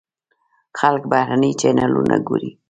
خلک بهرني چینلونه ګوري.